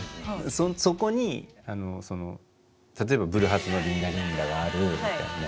そこに例えばブルーハーツの「リンダリンダ」があるみたいな。